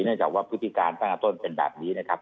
เนื่องจากว่าพฤติการตั้งต้นเป็นแบบนี้นะครับ